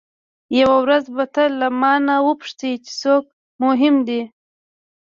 یوه ورځ به ته له مانه وپوښتې چې څوک مهم دی.